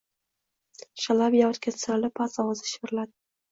Shalabiya ortga tisarilib, past ovozda shivirladi